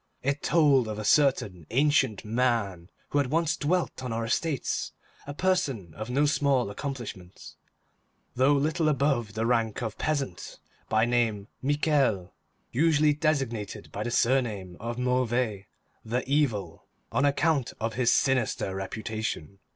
It told of a certain ancient man who had once dwelt on our estates, a person of no small accomplishments, though little above the rank of peasant; by name, Michel, usually designated by the surname of Mauvais, the Evil, on account of his sinister reputation.